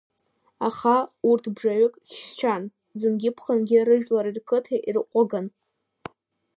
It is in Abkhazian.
Аха урҭ бжаҩык хьшьцәан, ӡынгьы-ԥхынгьы рыжәлари рқыҭеи ирҟәыган.